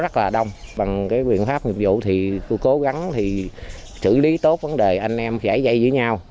chủ lý tốt vấn đề anh em giải dạy giữa nhau